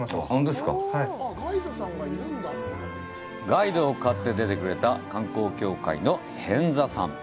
ガイドを買って出てくれた観光協会の平安座さん。